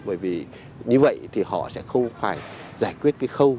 bởi vì như vậy thì họ sẽ không phải giải quyết cái khâu